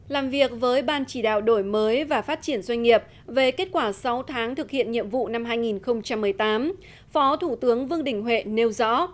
làm việc với ban chỉ đạo đổi mới và phát triển doanh nghiệp về kết quả sáu tháng thực hiện nhiệm vụ năm hai nghìn một mươi tám phó thủ tướng vương đình huệ nêu rõ